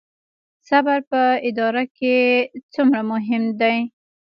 صبر په اداره کې څومره مهم دی؟